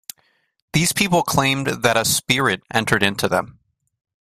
These people claimed that a spirit entered into them.